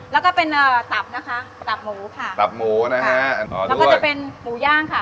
แล้วก็เป็นเอ่อตับนะคะตับหมูค่ะตับหมูนะฮะแล้วก็จะเป็นหมูย่างค่ะ